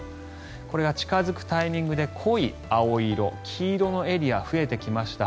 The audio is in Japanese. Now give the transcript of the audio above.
これが近付くタイミングで濃い青色黄色いエリアが増えてきました。